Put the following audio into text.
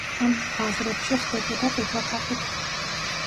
ამ ბაზრებში ხდებოდა ყიდვა-გაყიდვა.